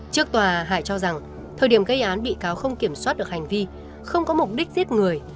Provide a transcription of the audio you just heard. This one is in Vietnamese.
trước tòa hải cho rằng thời điểm gây án bị cáo không kiểm soát được hành vi không có mục đích giết người